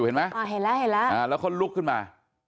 เห็นแล้วแล้วเขาลุกขึ้นมา